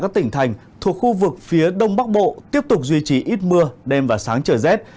các tỉnh thành thuộc khu vực phía đông bắc bộ tiếp tục duy trì ít mưa đêm và sáng trời rét